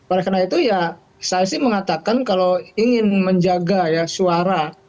oleh karena itu ya saya sih mengatakan kalau ingin menjaga ya suara